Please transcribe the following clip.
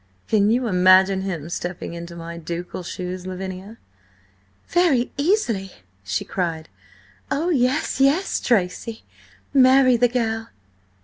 "Can you imagine him stepping into my ducal shoes, Lavinia?" "Very easily!" she cried. "Oh, yes, yes, Tracy! Marry the girl!"